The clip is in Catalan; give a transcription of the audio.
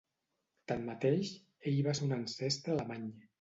Tanmateix, ell va ser un ancestre alemany.